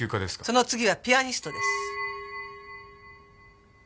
その次はピアニストです。